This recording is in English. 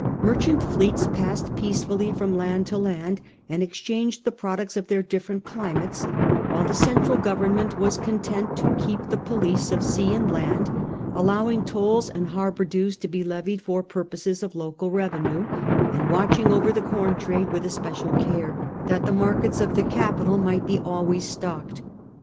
Merchant fleets passed peacefully from land to land and exchanged the products of their different climates, while the central government was content to keep the police of sea and land, allowing tolls and harbour dues to be levied for purposes of local revenue, and watching over the corn trade with especial care, that the markets of the capital might be alw.ays stocked.